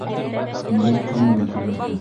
Йомортҡа менән түләрбеҙ.